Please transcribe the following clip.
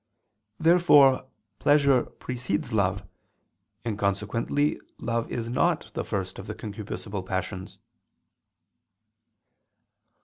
Therefore pleasure precedes love; and consequently love is not the first of the concupiscible passions.